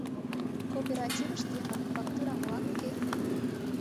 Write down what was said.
— Кооперативыште мануфактура молан уке?